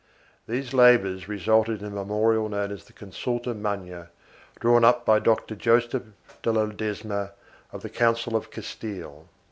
These labors resulted in a memorial known as the Consulta Magna, drawn up by Doctor Joseph de Ledesma of the Council of Castile.